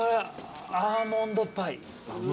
アーモンドパイ。